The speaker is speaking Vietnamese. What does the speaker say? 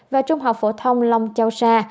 và trung học phổ thông long châu sa